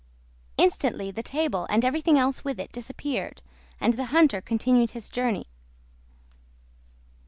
Instantly the table, and everything else with it, disappeared, and the hunter continued his journey.